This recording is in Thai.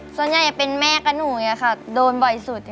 ส่วนใหญ่เป็นแม่กับหนูอย่างนี้ค่ะโดนบ่อยสุด